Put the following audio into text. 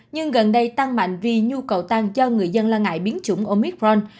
nhưng gần đây tăng mạnh vì nhu cầu tăng cho người dân lo ngại biến chủng omicron